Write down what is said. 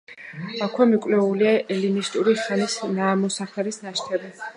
აქვე მიკვლეულია ელინისტური ხანის ნამოსახლარის ნაშთები.